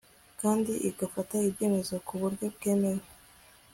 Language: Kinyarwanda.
kandi igafata ibyemezo ku buryo bwemewe